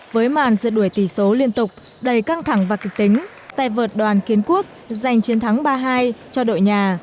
với màn rượt đuổi tỷ số liên tục đầy căng thẳng và kịch tính tay vợt đoàn kiến quốc giành chiến thắng ba hai cho đội nhà